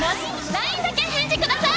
ＬＩＮＥだけ返事ください